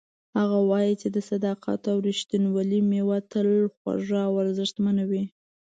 هغه وایي چې د صداقت او ریښتینولۍ میوه تل خوږه او ارزښتمنه وي